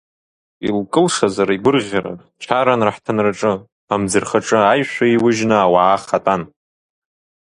Илкылшазар, гәырӷьаран, чаран раҳҭынраҿы, амӡырхаҿы аишәа еиужьны ауаа ахатәан.